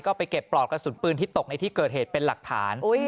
ก็ไปเก็บปลอกกระสุนปืนที่ตกในที่เกิดเหตุเป็นหลักฐาน